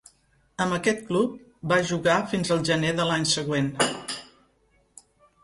Amb aquest club va jugar fins al gener de l'any següent.